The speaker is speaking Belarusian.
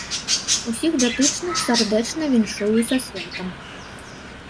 Усіх датычных сардэчна віншую са святам.